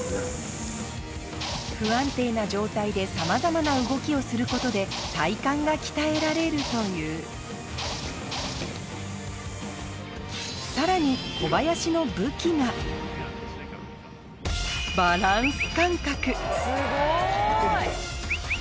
不安定な状態でさまざまな動きをすることで体幹が鍛えられるというさらに小林の武器がすごい。